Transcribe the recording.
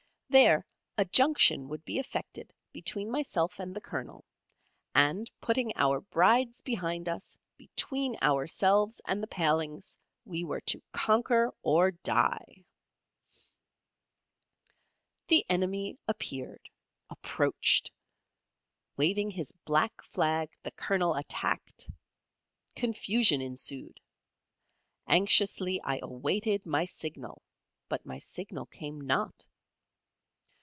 There, a junction would be effected between myself and the Colonel; and putting our Brides behind us, between ourselves and the palings, we were to conquer or die. [Illustration: Waving his black flag, the Colonel attacked.] The enemy appeared approached. Waving his black flag, the Colonel attacked. Confusion ensued. Anxiously I awaited my signal, but my signal came not.